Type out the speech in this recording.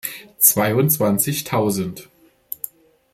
Zweiundzwanzigtausend.